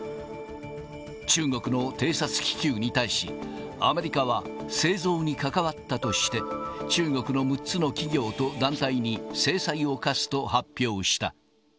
中国の偵察気球に対し、アメリカは製造に関わったとして、中国の６つの企業と団体に制裁を科すと発表した。